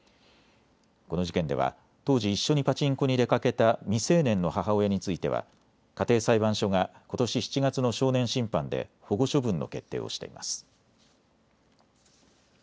この事件では当時、一緒にパチンコに出かけた未成年の母親については家庭裁判所がことし７月の少年審判で保護処分の決定をしています。